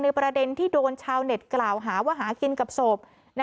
ประเด็นที่โดนชาวเน็ตกล่าวหาว่าหากินกับศพ